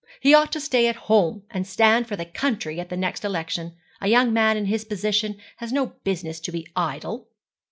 He ought to stay at home, and stand for the county at the next election. A young man in his position has no business to be idle.'